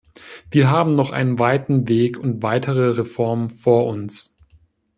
Wir haben noch einen weiten Weg und weitere Reformen vor uns.